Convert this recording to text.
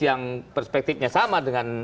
yang perspektifnya sama dengan